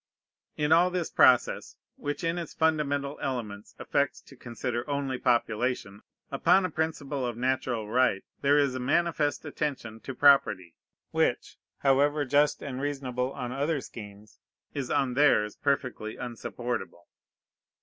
In all this process, which in its fundamental elements affects to consider only population, upon a principle of natural right, there is a manifest attention to property, which, however just and reasonable on other schemes, is on theirs perfectly unsupportable.